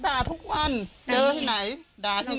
ด่าทุกวันเจอที่ไหนด่าที่ไหน